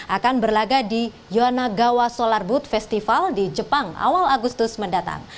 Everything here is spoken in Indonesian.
akan berlaga di yonagawa solar boot festival di jepang awal agustus mendatang